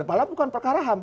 malah bukan perkara ham